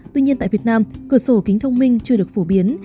tuy nhiên tại việt nam cửa sổ kính thông minh chưa được phổ biến